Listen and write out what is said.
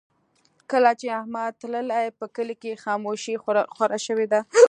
کله چې احمد تللی، په کلي کې خاموشي خوره شوې ده.